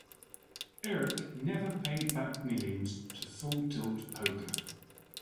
Erick never paid back millions to Full Tilt Poker.